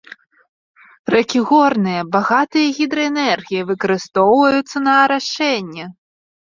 Рэкі горныя, багатыя гідраэнергіяй, выкарыстоўваюцца на арашэнне.